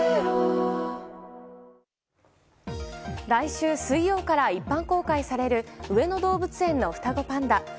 来週水曜から一般公開される上野動物園の双子パンダ。